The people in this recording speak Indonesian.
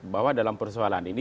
bahwa dalam persoalan ini